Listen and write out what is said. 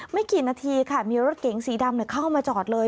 ไม่กี่นาทีค่ะมีรถเก๋งสีดำเข้ามาจอดเลย